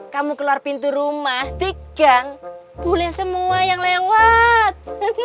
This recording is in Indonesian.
kamu keluar pintu rumah digang boleh semua yang lewat